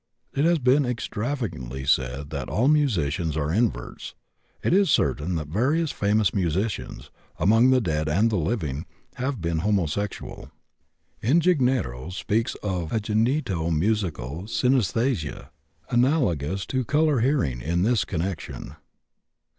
It has been extravagantly said that all musicians are inverts; it is certain that various famous musicians, among the dead and the living, have been homosexual. Ingegnieros speaks of a "genito musical synæsthesia," analogous to color hearing, in this connection.